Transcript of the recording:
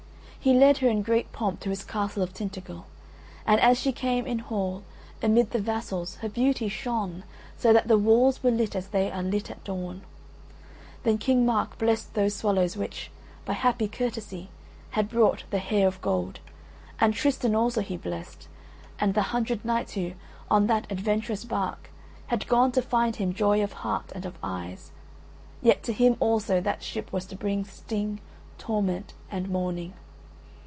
He led her in great pomp to his castle of Tintagel, and as she came in hall amid the vassals her beauty shone so that the walls were lit as they are lit at dawn. Then King Mark blessed those swallows which, by happy courtesy, had brought the Hair of Gold, and Tristan also he blessed, and the hundred knights who, on that adventurous bark, had gone to find him joy of heart and of eyes; yet to him also that ship was to bring sting, torment and mourning.